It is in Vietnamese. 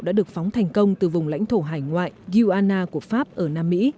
đã được phóng thành công từ vùng lãnh thổ hải ngoại guana của pháp ở nam mỹ